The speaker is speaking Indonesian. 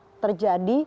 apabila terjadi operasi